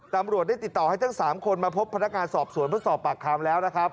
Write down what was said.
ตำรวจได้ติดต่อให้ทั้ง๓คนมาพบพนักงานสอบสวนเพื่อสอบปากคำแล้วนะครับ